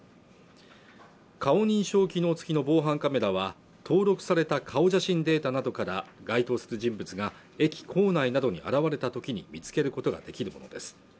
顔認証機能付きの防犯カメラは登録された顔写真データなどから該当する人物が駅構内などに現れた時に見つけることができるものです